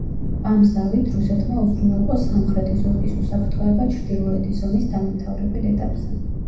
ამ ზავით რუსეთმა უზრუნველყო სამხრეთი ზურგის უსაფრთხოება ჩრდილოეთის ომის დამამთავრებელ ეტაპზე.